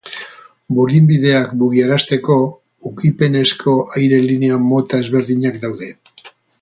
Burdinbideak mugiarazteko ukipenezko aire-linea mota ezberdinak daude.